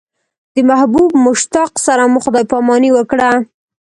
د محبوب مشتاق سره مو خدای پاماني وکړه.